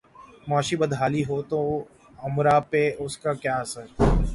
معاشی بدحالی ہو توامراء پہ اس کا کیا اثر؟